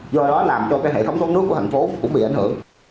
do đó làm cho cái hệ thống thoát nước của thành phố cũng bị ảnh hưởng